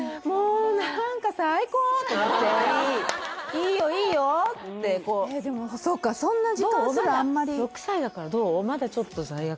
「いいよいいよ」ってこうでもそっかそんな時間すらあんまりあるでしょう？